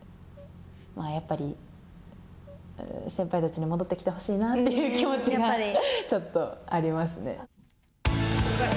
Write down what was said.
やっぱり先輩たちに戻ってきてほしいなという気持ちがちょっとありますね。